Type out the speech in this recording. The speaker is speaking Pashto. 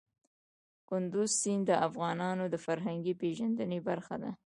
کندز سیند د افغانانو د فرهنګي پیژندنې برخه ده.